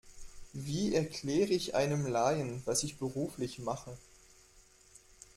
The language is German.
Wie erkläre ich einem Laien, was ich beruflich mache?